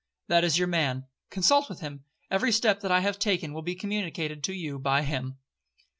That is your man, consult with him. Every step that I have taken will be communicated to you by him.'